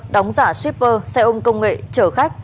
đóng giả shipper xe ôm công nghệ chở khách